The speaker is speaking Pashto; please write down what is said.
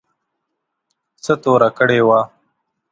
څه توره کړې وه.